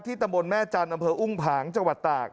ตำบลแม่จันทร์อำเภออุ้งผางจังหวัดตาก